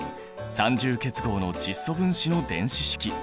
三重結合の窒素分子の電子式。